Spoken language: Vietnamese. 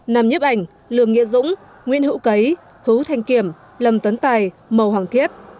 năm nhiếp ảnh lường nghĩa dũng nguyễn hữu cấy hứu thanh kiểm lâm tấn tài mầu hoàng thiết